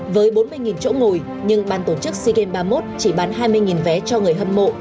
với bốn mươi chỗ ngồi nhưng ban tổ chức sea games ba mươi một chỉ bán hai mươi vé cho người hâm mộ